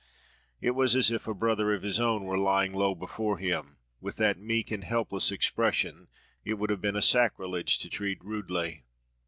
It was as if a brother of his own were lying low before him, with that meek and helpless expression it would have been a sacrilege to treat rudely.